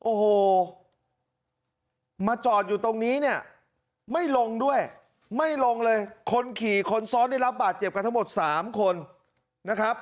โอ้โหมาจอดอยู่ตรงนี้เนี่ยไม่ลงด้วยไม่ลงเลยคนขี่คนซ้อนได้รับบาดเจ็บกันทั้งหมด๓คนนะครับ